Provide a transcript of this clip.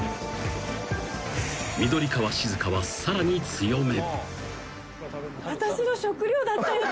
［緑川静香はさらに強め］